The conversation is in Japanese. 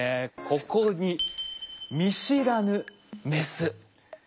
ここに見知らぬメス。